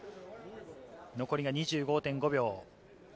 残りが２５．５秒。